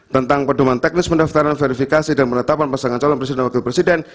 tentang pedoman teknis pendaftaran verifikasi dan penetapan pasangan calon presiden dan wakil presiden